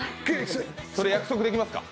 それ約束できますか？